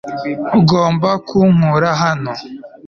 ugomba kunkura hano